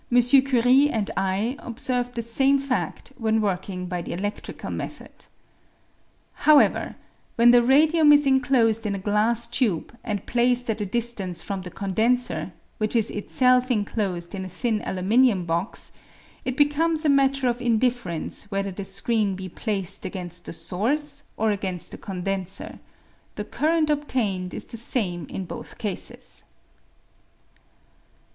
Curie and I observed the same fadt when working by the eleiftrical method. However, when the radium is enclosed in a glass tube and placed at a distance from the condenser, which is itself enclosed in a thin aluminium box, it becomes a matter of indifference whether the screen be placed against the source or against the condenser ; the current obtained is the same in both cases.